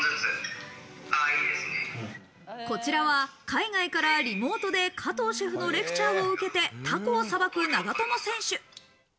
こちらは海外からリモートで加藤シェフのレクチャーを受けて、タコをさばく長友選手。